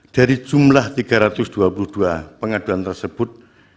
dari jumlah tiga ratus dua puluh dua pengaduan tersebut